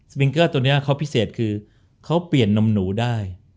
วิงเกอร์ตัวนี้เขาพิเศษคือเขาเปลี่ยนนมหนูได้